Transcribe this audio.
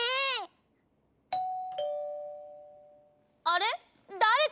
あれ？